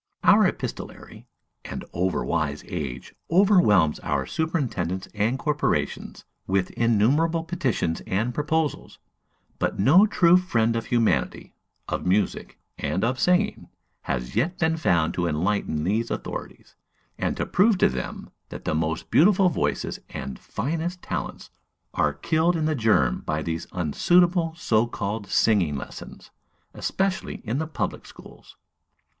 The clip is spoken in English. Our epistolary and over wise age overwhelms our superintendents and corporations with innumerable petitions and proposals; but no true friend of humanity, of music, and of singing, has yet been found to enlighten these authorities, and to prove to them that the most beautiful voices and finest talents are killed in the germ by these unsuitable so called singing lessons, especially in the public schools.